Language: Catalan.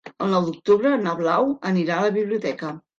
El nou d'octubre na Blau anirà a la biblioteca.